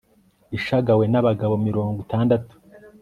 ishagawe n'abagabo mirongo itandatu